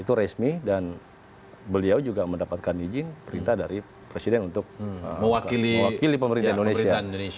itu resmi dan beliau juga mendapatkan izin perintah dari presiden untuk mewakili pemerintah indonesia